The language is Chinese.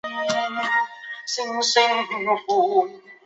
诊断过程通常会将个案的父母意见及师长意见列入考量。